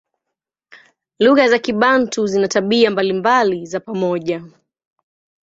Lugha za Kibantu zina tabia mbalimbali za pamoja.